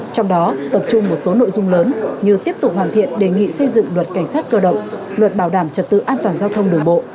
trong đó tập trung một số nội dung lớn như tiếp tục hoàn thiện đề nghị xây dựng luật cảnh sát cơ động luật bảo đảm trật tự an toàn giao thông đường bộ